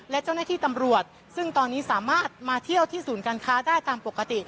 และเจ้าหน้าที่ตำรวจซึ่งตอนนี้สามารถมาเที่ยวที่ศูนย์การค้าได้ตามปกติ